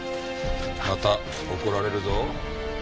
また怒られるぞ。